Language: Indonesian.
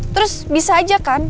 terus bisa aja kan